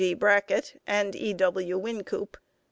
G. Brackett, and E. W. Wynkoop.